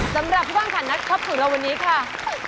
สำหรับผู้บ้านค่ะนักครับถึงเราวันนี้ค่ะ